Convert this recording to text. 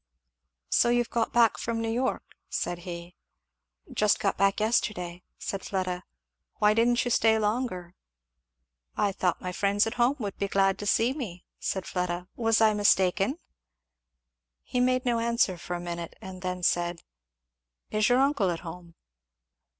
"So you've got back from New York," said he. "Just got back, yesterday," said Fleda. "Why didn't you stay longer?" "I thought my friends at home would be glad to see me," said Fleda. "Was I mistaken?" He made no answer for a minute, and then said, "Is your uncle at home?"